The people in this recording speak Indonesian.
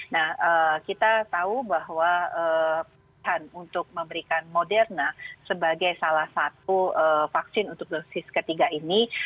nah kita tahu bahwa untuk memberikan moderna sebagai salah satu vaksin untuk dosis ketiga ini